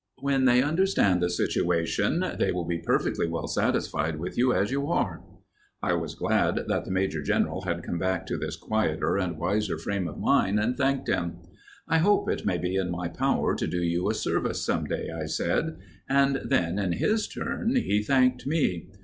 When they understand the situation, they will be perfectly well satisfied with you as you are." I was glad that the major general had come back to this quieter and wiser frame of mind, and thanked him. "I hope it may be in my power to do you a service some day," I said; and then, in his turn, he thanked me.